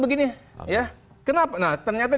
begini kenapa nah ternyata